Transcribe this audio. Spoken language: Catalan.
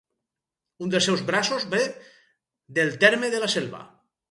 Un dels seus braços ve del terme de La Selva.